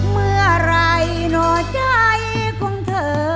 เมื่อไหร่หน่อใจของเธอ